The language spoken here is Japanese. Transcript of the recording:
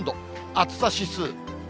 暑さ指数。